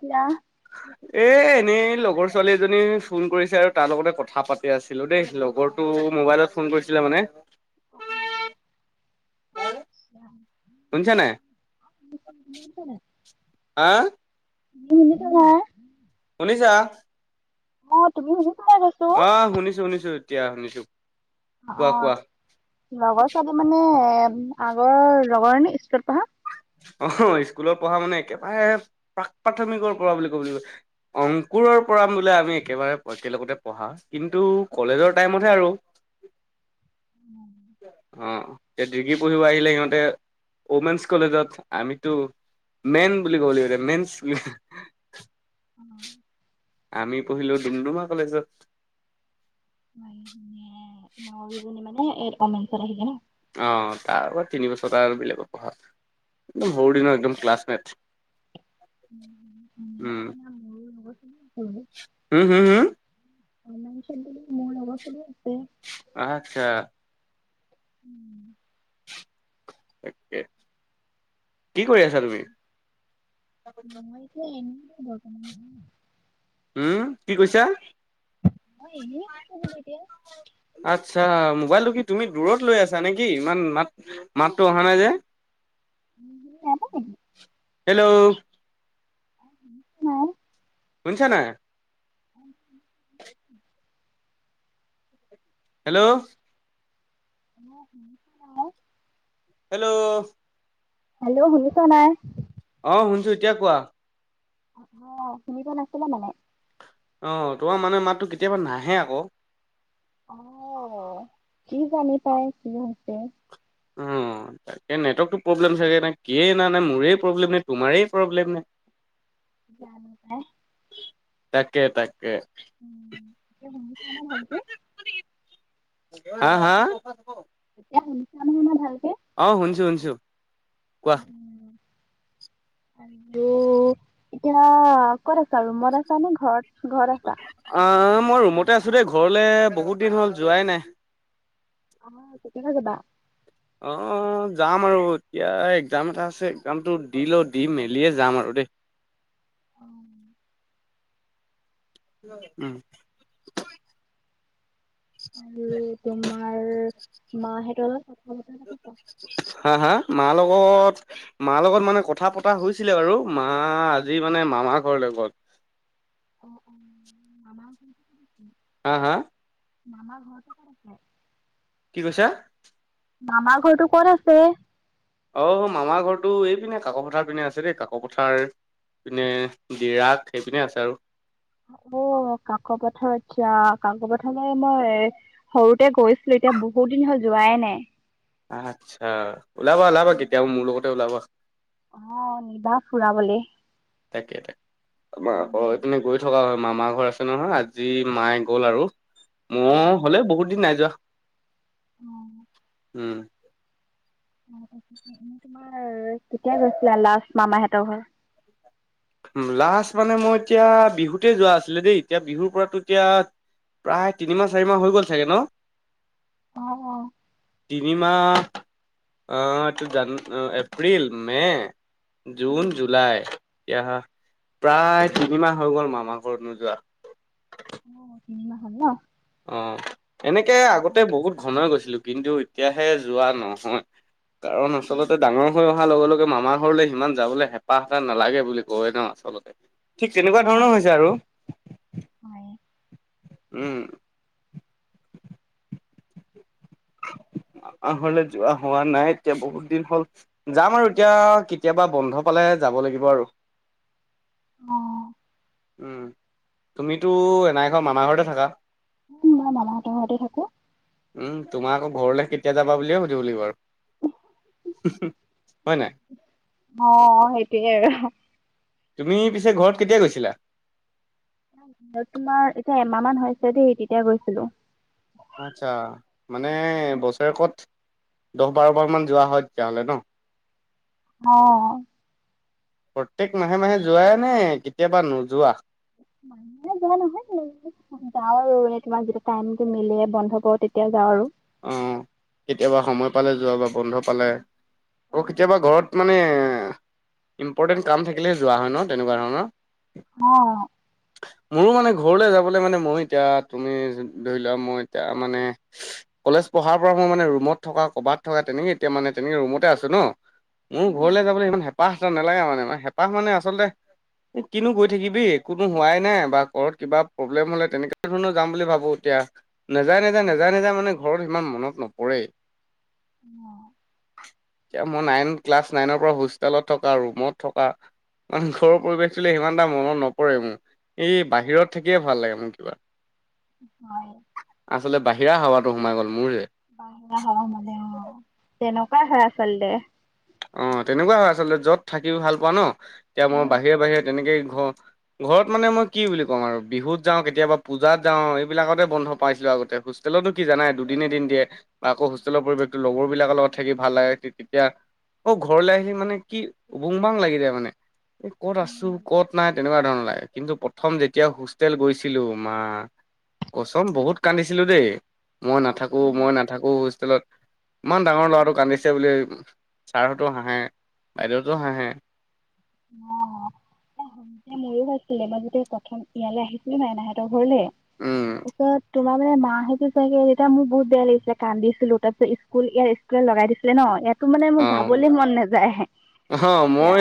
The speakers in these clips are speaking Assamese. দিয়া। [inaudible] এ এনেই লগৰ ছোৱালী এজনী ফোন কৰিছে আৰু। তাৰ লগতে কথা পাতি আছিলো দেই। লগৰ টো মোবাইলত ফোন কৰিছিলে মানে। অ', অ', ঠিকে শুনিছা নাই আছে দিয়া। হা [unintelligible] [unintelligible] শুনিছা? অহ, তুমি [unintelligible] অহ, শুনিছোঁ শুনিছোঁ এতিয়া শুনিছোঁ। অহ, লগৰ ছোৱালী মানে আগৰ লগৰনে স্কুলত পঢ়া। অহ, স্কুলত পঢ়া মানে একেবাৰে প্ৰাক প্ৰাথমিকৰ পঢ়া বুলি ক'ব লাগিব। অংকুৰৰ পৰা বোলে আমি একেবাৰে একেলগতে পঢ়া। কিন্তু কলেজৰ টাইমতহে আৰু। অহ, এ ডিগ্ৰী পঢ়িব আহিলে সিহঁতে উমেনছ কলেজত, আমিতো মেন বুলি ক'ব লাগিব মেন উম। আমি পঢ়িলোঁ ডুমডুমা কলেজত। [unintelligible] আহিলে ন' অহ, তাৰপৰা তিন বছৰ আৰু বেলেগত পঢ়া। একদম সৰু দিনৰ একদম ক্লছমেট। উম [unintelligible] উম, হ'ব। উম', হম', হম'। [unintelligible] বোলো‌ মোৰ লগৰ চলিও আছে। আচ্ছা। উম। তাকে, কি কৰি আছা তুমি? মই এতিয়া এনেই [unintelligible] উম, কি কৈছা? মই এনেই আছোঁ বোলা এতিয়া। আচ্ছা মোবাইলটো কি তুমি দূৰত লৈ আছা নেকি, ইমান মাত-মাতটো অহা নাই যে? উম, এনেই হেল্ল'। অহ, শুনি শুনিছানে নাই? [unintelligible] হেল্ল'। [unintelligible] হেল্ল'। হেল্ল' শুনিছা নাই? অহ, শুনিছোঁ এতিয়া কোৱা? অহ, শুনি পোৱা নাছিলা মানে? অহ, তোমাৰ মানে মাতটো কেতিয়াবা নাহে আকৌ। অহ, কি জানি পাই, কিনো হৈছে। অহ, তাকে নেটৱৰ্কতটো প্ৰব্লেম চাগে, না কিয়েই না, না মোৰে প্ৰব্লেম, নে তোমাৰেই প্ৰব্লেম। জানোঁ পাই। তাকে, তাকে। উম, এতিয়া শুনিছানে ভালকে? হা! হা! এতিয়া শুনিছানে নাই ভালকে? অহ, শুনিছোঁ শুনিছোঁ। উম', উম'। আৰু এতিয়া ক'ত আছা, ৰুমত আছানে ঘৰত ঘৰত আছা? অহ, মই ৰুমতে আছোঁ দেই, ঘৰলে বহুত দিন হ'ল যোৱাই নাই। অহ, কেতিয়াকে যাবা? অহ, যাম আৰু এতিয়া একজাম এটা আছে, একজামটো দি লওঁ, দি মেলিয়ে যাম আৰু দেই। অহ। উম। আৰু তোমাৰ মাহঁতৰ অলপ কথা বতা হা' হা' মাৰ লগত মাৰ লগত মানে কথা পতা হৈছিলে বাৰু, মা আজি মানে মামাৰ ঘৰলৈ গ'ল। [unintelligible] হা' হা'। মামাৰ ঘৰ ক'ত আছে? কি কৈছা? মামাৰ ঘৰটো ক'ত আছে? অ' মামাৰ ঘৰৰটো এই পিনে কাকো পথাৰ পিনে আছে দেই, কাকো পথাৰ পিনে ডিৰাগ সেইপিনে আছে আৰু। অ' কাকো পথাৰ আচ্ছা, কাকো পথাৰ মানে মই সৰুতে গৈছিলো, এতিয়া বহুত দিন হ'ল যোৱাই নাই। আচ্ছা, ওলাবা ওলাবা কেতিয়াবা মোৰ লগতে ওলাবা। অ' নিবা ফুৰাবলে? তাকে। আমাৰ ঘৰ পিনে গৈ থকা হয় মামাৰ ঘৰ আছে নহয়, আজি মায়ে গ'ল আৰু মই হ'লে বহুত দিন নাই যোৱা। অ'। উম। তোমাৰ কেতিয়া গৈছিলা লাষ্ট মামাহঁতৰ ঘৰ? লাষ্ট মানে মই এতিয়া বিহুতে যোৱা আছিলে দেই, এতিয়া বিহুৰ পৰাটো এতিয়া প্ৰায় তিনিমাহ চাৰি মাহ হৈ গ'ল চাগে ন? অ', অ'। তিনিমাহ অ' এইটো জান এপ্ৰিল, মে' জুন, জুলাই এতিয়া প্ৰায় তিনি মাহ হৈ গ'ল মামা ঘৰত নোযোৱা। অ' তিনিমাহ হ'ল ন? অ' এনেকে অ', আগতে অ', বহুত ঘনাই গৈছিলো, কিন্তু এতিয়াহে যোৱা নহয়। কাৰণ আচলতে ডাঙৰ হৈ অহাৰ লগে লগে মামাৰ ঘৰলে সিমান যাবলৈ হেঁপাহ নালাগে বুলি কয় ন আচলতে, ঠিক তেনেকুৱা অ', ধৰণৰ হৈছে আৰু। হয়। উম। মামা ঘৰলে যোৱা হোৱা নাই এতিয়া বহুত দিন হ'ল। যাম আৰু এতিয়া কেতিয়াবা বন্ধ পালে যাব লাগিব আৰু। অ'। তুমিতো এনাই ঘৰ মামাৰ ঘৰতে থাকা? মই মামাহতৰ ঘৰতেই থাকো? উম, তোমাক আকৌ ঘৰলৈ কেতিয়া যা বালিয়ে সুধিব লাগিব আৰু। হয় নাই? অ' সেইটোয়ে আৰু। তুমি পিছে ঘৰত কেতিয়া গৈছিলা? তোমাৰ এতিয়া এমাহ মান হৈছে দেই, তেতিয়া গৈছিলো। আচ্ছা মানে বছৰেকত দহ বাৰ বাৰমান যোৱা হয় তেতিয়াহ'লে ন? অ'। প্ৰত্যেক মাহে মাহে যোৱাইে নে কেতিয়াবা নোযোৱা? মাহে মাহে যোৱা নহয় তেনেকে। যাওঁ আৰু এ তোমাৰ যেতিয়া টাইমটো মিলে বন্ধ পাওঁ, তেতিয়া যাওঁ আৰু। অ' কেতিয়াবা সময় পালে যোৱা বা বন্ধ পালে, আকৌ কেতিয়াবা ঘৰত মানে ইম্পৰ্টেণ্ট কাম থাকিলে যোৱা হয় ন তেনেকুৱা ধৰণৰ? অ'। [inaudible] মোৰো মানে ঘৰলৈ যাবলৈ মানে মই এতিয়া তুমি ধৰি লোৱা মই এতিয়া মানে কলেজ পঢ়াৰ পৰা মই মানে ৰুমত থকা ক'বাত থকা তেনেকে এতিয়া মানে তেনেকে ৰুমতে আছো ন। মোৰ উম, ঘৰলৈ যাবলৈ ইমান হেপাহ এটা নালাগে মানে, হেঁপাহ মানে আচলতে এই কিনো গৈ থাকিবি, কোনো হোৱাই নাই বা ঘৰত কিবা প্ৰব্লেম হ'লে তেনেকুৱা ধৰণৰ যাম বুলি ভাবো। এতিয়া নেযায় নেযায় নেযায় নেযায় মানে ঘৰত সিমান মনত নপৰে। অ। এতিয়া মই নাইন, ক্লাছ নাইনৰ পৰা হোষ্টেলত থকা, ৰুমত থকা, ঘৰৰ পৰিৱেশতোলে সিমান এটা মনত নপৰে মোৰ। এই বাহিৰত থাকিয়ে ভাল লাগে মোৰ কিবা। হয়। আচলতে বাহিৰা হাৱাতো সোমাই গ'ল মোৰ যে বাহিৰা হাৱা মানে অ তেনেকুৱাই হয় আচলতে। অ তেনেকুৱা হয় আচলতে যত থাকি ভাল পোৱা ন, এতিয়া এ মই বাহিৰে বাহিৰে তেনেকেই ঘৰ ঘৰত মানে মই কি বুলি কম আৰু বিহুত যাওঁ, কেতিয়াবা পূজাত যাওঁ, এইবিলাকতে বন্ধ পাইছিলো আগতে হুষ্টে হোষ্টেলতো কি জানাই দুদিনে এদিন দিয়ে বা আকৌ হোষ্টেলৰ পৰিৱেশো লগৰ বিলাকৰ লগত থাকি ভাল লাগে। তেতিয়া অ ঘৰলৈ আহিলি মানে কি বুং বাং লাগি যায় মানে। এই কত আছো, ক'ত নাই তেনেকুৱা ধৰণৰ লাগে। কিন্তু প্ৰথম যেতিয়া হোষ্টেল গৈছিলো মা কচন বহুত কান্দিছিলো দেই, মই নাথাকো মই নাথাকো হোষ্টেলত ইমান ডাঙৰ ল'ৰাটো কান্দিছে বুলি ছাৰহঁতো হাঁহে, বাইদেউতো হাঁহে, [unintelligible] মই যেতিয়া প্ৰথম ইয়ালৈ আহিছিলো ন [unintelligible] উম [unintelligible] পিছত তোমাৰ মান মাহ সেইটো চাগে যেতিয়া মোৰ বহুত বেয়া লাগিছিলে কান্দিছিলো তাৰপিত স্কুল ইয়াত স্কুলত লগাই দিছিলে ন ইয়াত তাৰ মানে অ মোৰ যাবলৈ মন নাযায়ে অ তেতিয়া। মই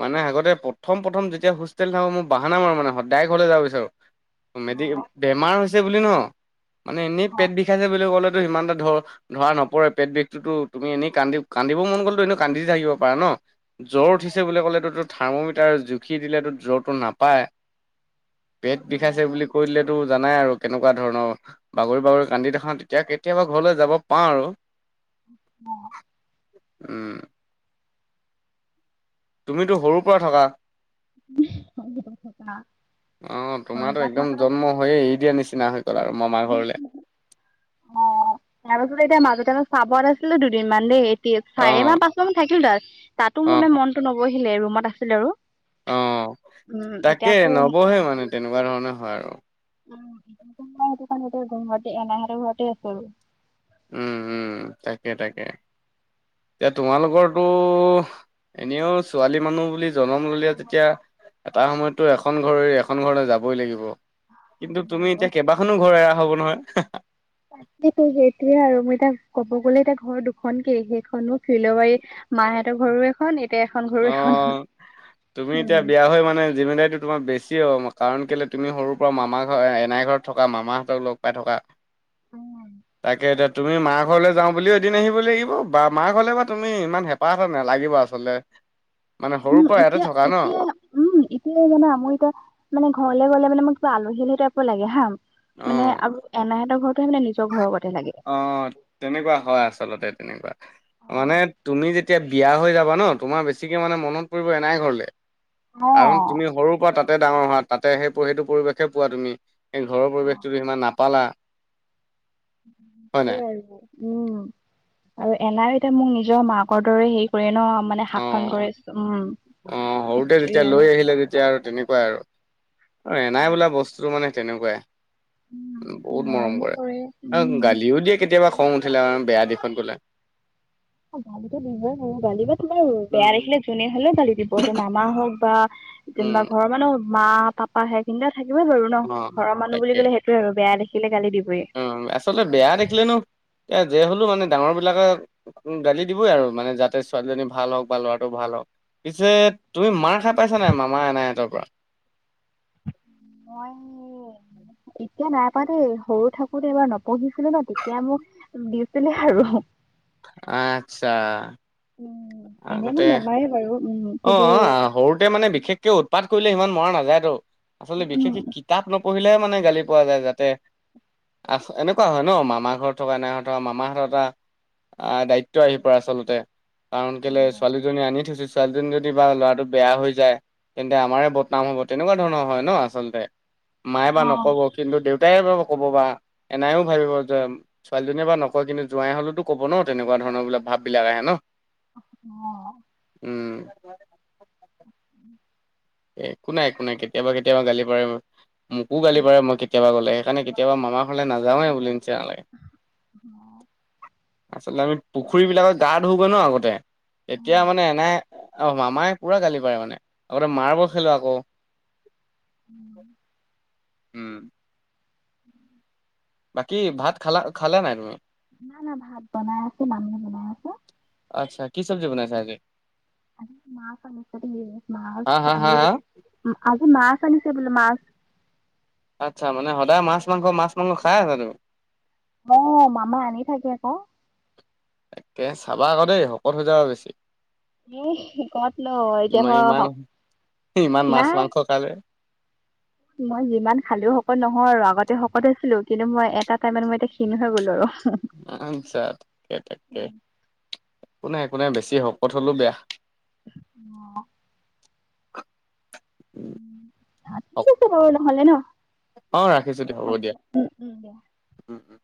মানে আগতে প্ৰথম প্ৰথম যেতিয়া হোষ্টেল থাকো মোৰ বাহান নাম আৰু মানে সদায় ঘৰলৈ যাব বিচাৰো। অ মেডিকেল, বেমাৰ হৈছে বুলি ন মানে এনেই অ পেট বিষাইছে বুলি ক'লে সিমানটা ধ ধৰা নপৰে পেট বেগটো তুমি এনেই কান্দি কান্দিব মন গ'লতো এনে কান্দি থাকিব পাৰে ন, জ্বৰ উঠিছে বুলি কলে তৰ থাৰ্মমিটাৰ জুখি দিলেতো জ্বৰটো নাপায়, পেট বিষাইছে বুলি কৈ দিল টো জানাই আৰু কেনেকুৱা ধৰণৰ বাগৰি বাগৰি কান্দি দেখাও তেতিয়া কেতিয়াবা ঘৰলৈ যাব পাওঁ আৰু। অ। উম। তুমিতো সৰুৰ পৰা থকা? অ অ সৰুৰ তোমাৰো পৰা একদম থকা জন্ম হয় এৰি দিয়া নিচিনা হৈ গ'ল আৰু মামাৰ ঘৰলৈ। তাৰপাছত এতিয়া মাজতে মই চাপৰত নাছিলো দুদিনমান দেই এতিয়া অ চাৰি মাহ পাঁচ মান মাহ থাকিলো তাত। তাতো অ মোৰ মানে মনতটো নবহিলে ৰুমত আছিলে আৰু। অ উম এতিয়া তাকে আকৌ উম নবহে মানে তেনেকুৱা ধৰণে হয় আৰু। [unintelligible] উম উম তাকে তাকে এতিয়া তোমালোকৰটো এনেও ছোৱালী মানুহ বুলি জনম ললি যেতিয়া এটা সময়তো এখন ঘৰ এৰি এখন ঘৰলৈ যাবই লাগিব। কিন্তু হয় তুমি এতিয়া বাৰু কেইবাখনো ঘৰ এৰা হ'ব নহয় সেইটোয়ে আৰু মই এতিয়া ক'ব গ'লে এতিয়া ঘৰ দুখন কে সেইখনো ফৰিলবাৰী মাহঁতৰ ঘৰু এখন এতিয়া এখন ঘৰো অ এখন তুমি এতিয়া বিয়া হৈ মানে জিমেদাৰী তোমাৰ বেছি হ'ব কাৰণ কেলে তুমি সৰুৰ পৰা মামা ঘৰ এনাই ঘৰত থকা মামাহঁতক লগ পাই থকা। উম তাকে এতিয়া তুমি মা ঘৰলৈ যাওঁ বুলিও এদিন আহিব লাগিব বা মা ঘৰলৈ বা তুমি ইমান হেঁপাহ নালাগিব আচলতে। মানে উম সৰুৰ পৰা ইয়াতে এতিয়া থকা এতিয়া ন'? উম, এতিয় জানা মোৰ এতিয়া, মানে ঘৰলে গ'লে মানে মোৰ কিবা আলহী-আলহী টাইপৰ লাগে হা। অ মানে আৰু এনাইহঁতৰ ঘৰতোহে মানে নিজৰ ঘৰ লগতে লাগে। অ অহ। তেনেকুৱা হয় আচলতে, তেনেকুৱা। মানে তুমি যেতিয়া বিয়া হৈ যাবা ন' তোমাৰ বেছিকে মানে মনত পৰিব এনাই ঘৰলে। কাৰণ তুমি সৰুৰ পৰা তাতে ডাঙৰ হোৱা, তাতে সেই-সেইটো পৰিৱেশে পোৱা তুমি। এই ঘৰৰ পৰিৱেশটো ত' সিমান নাপালা। [unintelligible] হয় নাই উম, আৰু এনাই এতিয়া মোক নিজৰ মাকৰ দৰে হেৰি কৰে ন' মানে শাসন অহ। কৰে উম অহ, সৰুতে সেইটোৱে তেতিয়া আৰু লৈ আহিলে তেতিয়া এতিয়া আৰু তেনেকুৱাই আৰু। আৰু এনাই উম বোলা বস্তুটো মানে তেনেকুৱাই। বহুত মৰম মৰমো কৰে। উম [unintelligible] গালিও দিয়ে কেতিয়াবা খং উঠিলে আৰু বেয়া দিশত গ'লে। গালিটো দিবই, গালিব বা তোমাৰ বেয়া উম, ৰাখিলে যোনে হ'লেও গালি দিব সেইটো মামা হওঁক বা উম, যেনিবা ঘৰৰ মানুহ মা-পাপা সেইখিনিতে থাকিবই বাৰু ন'। অ', ঘৰৰ মানুহ বুলি ক'লে সেইটোৱেই আৰু বেয়া দেখিলে গালি দিবয়েই। উম, আচলতে বেয়া দেখিলে নো, এ যে হ'লেও মানে ডাঙৰবিলাকে গালি দিবই আৰু মানে যাতে ছোৱালীজনী ভাল হওঁক বা ল'ৰাটো ভাল হওঁক। পিছে তুমি মাৰ খাই পাইছানে নাই, মামা এনহাঁতৰ পৰা? মই এতিয়া নাইপাৱা দেই, সৰু থাকোতে এবাৰ নপঢ়িছিলো ন' তেতিয়া মোক দিছিলে আৰু। আচ্ছা। উম, এনেই মোক নেমাৰে বাৰু উম। কিন্তু অহ, সৰুতে মানে বিশেষকে উৎপাত কৰিলে সিমান মৰা নাযায় তো, আচলতে উম বিশেষকে কিতাপ নপ নপঢ়িলেহে মানে গালি পোৱা যায় যাতে এনেকুৱা হয় ন' মামাৰ ঘৰত থকা এনাইহঁতৰ মামাহঁত এটা। অহ, দায়িত্ব আহি পৰে আচলতে কাৰণ কেলে ছোৱালীজনী আনি থৈছোঁ। ছোৱালীজনী যদি বা ল'ৰাটো বেয়া হৈ যায় তেন্তে আমাৰে বদনাম হ'ব তেনেকুৱা ধৰণৰ হয় ন' আচলতে। মায়ে বা অ নকব অ কিন্তু দেউতাই বা ক'ব বা এনাইও ভাবিব যে ছোৱালীজনীয়ে বা নকয় কিন্তু যোৱাই হ'লেওতো ক'ব ন' তেনেকুৱা ধৰণৰ বোলে ভাববিলাক আহে ন'। অহ। উম। [unintelligible] এ একো নাই একো নাই কেতিয়াবা-কেতিয়াবা গালি পাৰে মোকো গালি পাৰে মই কেতিয়াবা গ'লে, সেইকাৰণে কেতিয়াবা মামাৰ ঘৰলে নাযওঁৱে বুলি [unintelligible] আচলতে আমি পুখুৰীবিলাকত গা ধওগৈ ন' আগতে অ অ অ তেতিয়া মানে এনাই অহ, মামায়ে পুৰা গালি পাৰে মানে। আগতে মাৰ্বল খেলোঁ আকৌ। উম। উম। বাকী ভাত খালা, খালেনে নাই তুমি? নাই-নাই ভাত বনাই আছে, মামী বনাই আছে। আচ্ছা, কি চব্জি বনাইছে আজি? আজি মাছ আনিছে, হা মাছ হা হা আৰু হা আজি মাছ আনিছে বোলে মাছ। আচ্ছা, মানে সদায় মাছ-মাংস মাছ-মাংস খায়ে আছা তুমি? অহ, মামাই আনি থাকে আকৌ। তাকে চাবা আকৌ দেই, শকত হৈ যাব বেছি। এ কত ন এতিয়া ইমান মই ইমান শক ইমান নাই মাছ-মাংস খালে। মই যিমান খালেও শকত নহওঁ আৰু। আগতে শকত হৈছিলো। কিন্তু মই এটা টাইমত মই এতিয়া ক্ষীণ হৈ গ'লো আৰু। আচ্ছা তাকে তাকে। একো নাই একো নাই বেছি শকত হ'লেও বেয়া। অ'। উম। আছেটো বাৰু নহ'লে ন? অ', ৰাখিছো দিয়া। হ'ব দিয়া। উম উম দিয়া উম, উম।